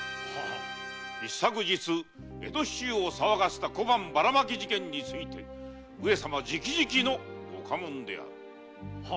一昨日江戸市中を騒がせた小判ばらまき事件について上様直々のご下問である。